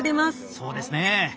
そうですね。